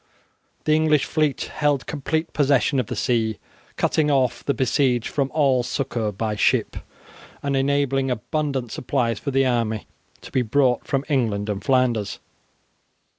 The English fleet held complete possession of the sea, cutting off the besieged from all succour by ship, and enabling abundant supplies for the army to be brought from England and Flanders.